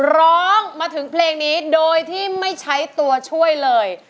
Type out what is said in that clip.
ร้องมาถึงเพลงนี้โดยที่ไม่ใช้ตัวช่วยเลย